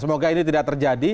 semoga ini tidak terjadi